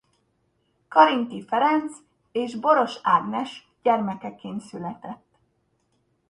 Karinthy Ferenc és Boros Ágnes gyermekeként született.